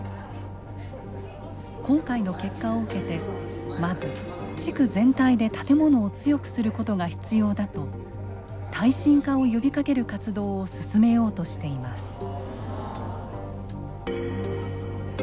今回の結果を受けてまず地区全体で建物を強くすることが必要だと耐震化を呼びかける活動を進めようとしています。